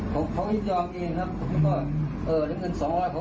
ผมก็ไม่ได้ยอมเอนครับผมก็เออหนึ่งครั้งสองร้อยผมเอา